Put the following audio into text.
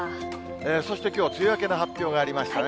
そしてきょう、梅雨明けの発表がありましたね。